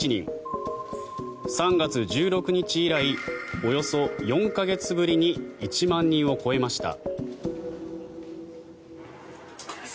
３月１６日以来およそ４か月ぶりに１万人を超えました。